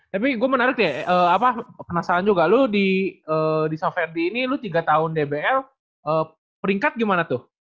tapi gue menarik ya penasaran juga lu di soft ferdi ini lu tiga tahun dbl peringkat gimana tuh